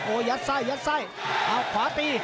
โอ้โหยัดไส้ยัดไส้เอาขวาตี